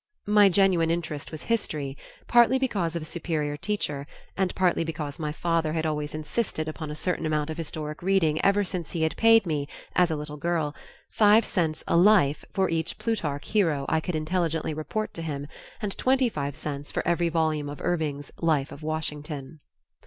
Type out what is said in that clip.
My genuine interest was history, partly because of a superior teacher, and partly because my father had always insisted upon a certain amount of historic reading ever since he had paid me, as a little girl, five cents a "Life" for each Plutarch hero I could intelligently report to him and twenty five cents for every volume of Irving's "Life of Washington."